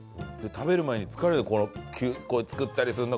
食べる前に疲れるこう作ったりするの。